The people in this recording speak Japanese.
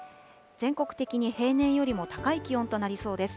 全国的に平年よりも高い気温となりそうです。